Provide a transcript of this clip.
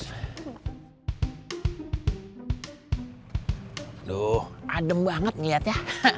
aduh adem banget ngeliat ya